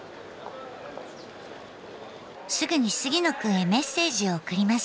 すぐに杉野くんへメッセージを送ります。